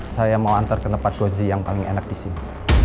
saya mau antar ke tempat gozi yang paling enak di sini